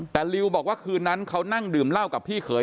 แต่ลิวบอกว่าคืนนั้นเขานั่งดื่มเหล้ากับพี่เขย